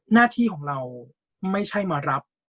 หน้าที่ของเราไม่ใช่มารับ